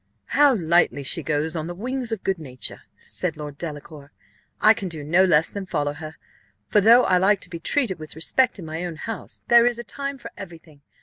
"How lightly she goes on the wings of good nature!" said Lord Delacour. "I can do no less than follow her; for though I like to be treated with respect in my own house, there is a time for every thing.